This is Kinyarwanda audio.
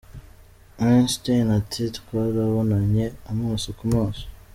Weinstein ati: “Twarabonanye amaso ku maso.